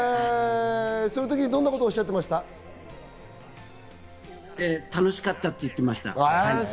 どんなことをおっしゃってま楽しかったって言ってました。